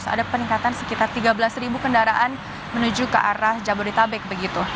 ada peningkatan sekitar tiga belas kendaraan menuju ke arah jabodetabek begitu